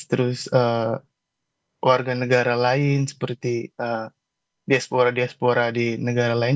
terus warga negara lain seperti diaspora diaspora di negara lain